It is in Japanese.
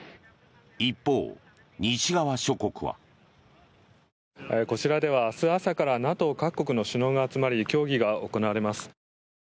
一方、西側諸国は。こちらでは明日朝からＮＡＴＯ各国の首脳が集まり協議が行われます。